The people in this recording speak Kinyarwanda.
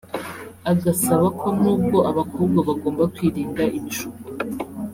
agasaba ko n’ubwo abakobwa bagomba kwirinda ibishuko